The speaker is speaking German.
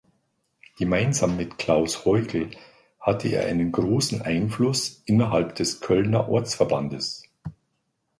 Gemeinsam mit Klaus Heugel hatte er einen großen Einfluss innerhalb des Kölner Ortsverbandes.